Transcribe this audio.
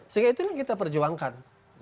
sehingga itulah kita perjuangkan